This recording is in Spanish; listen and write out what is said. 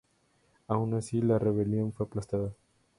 Aun así la rebelión fue aplastada.